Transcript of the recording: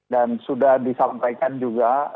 dan sudah disampaikan juga